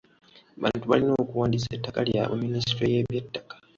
Abantu balina okuwandiisa ettaka lyabwe minisitule y'ebyettaka.